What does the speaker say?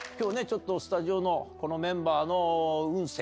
ちょっとスタジオのこのメンバーの運勢